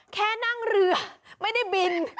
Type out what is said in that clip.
แค่นั่งเรือไม่ได้บิน